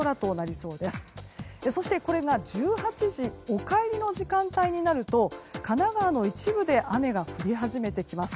そして、これが１８時お帰りの時間帯になると神奈川の一部で雨が降り始めてきます。